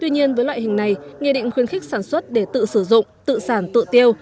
nhân với loại hình này nghị định khuyên khích sản xuất để tự sử dụng tự sản tự tiêu